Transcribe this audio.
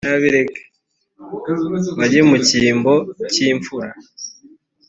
bajye mu cyimbo cy imfura